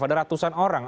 ada ratusan orang